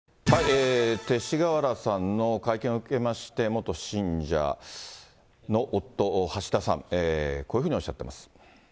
勅使河原さんの会見を受けまして、元信者の夫、橋田さん、こういうふうにおっしゃってます。